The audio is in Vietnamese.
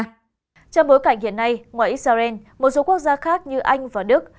trong bối cảnh hiện nay ngoài israel một số quốc gia khác như anh và đức